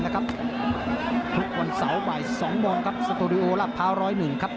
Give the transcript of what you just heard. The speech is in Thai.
ทุกวันเสาร์บ่าย๒บาทครับสตูดิโอรัพยา๑๐๑